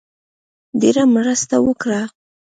ډېره مرسته وکړه.